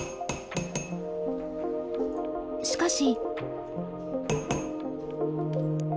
しかし。